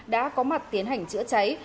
đã có mặt tiến hành chữa cháy